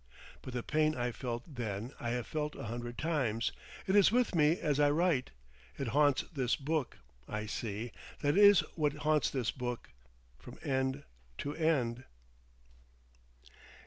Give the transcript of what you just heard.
But the pain I felt then I have felt a hundred times; it is with me as I write. It haunts this book, I see, that is what haunts this book, from end to end.